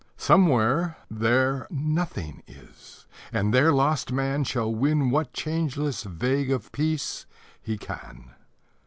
Somewhere there Nothing is; and there lost Man Shall win what changeless vague of peace he can.